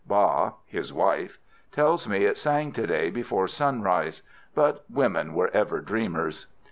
Ba (his wife) tells me it sang to day before sunrise; but women were ever dreamers."